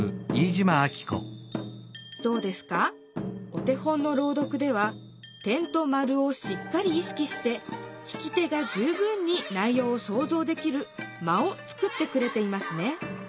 お手本の朗読では点と丸をしっかりいしきして聞き手が十分に内ようを想像できる「間」を作ってくれていますね。